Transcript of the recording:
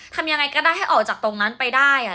ทำยังไงก็ได้ให้ออกจากตรงนั้นไปได้